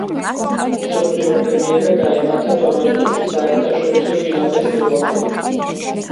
მსოფლიო პრემიერა გაიმართა ტორონტოში, საერთაშორისო კინოფესტივალზე.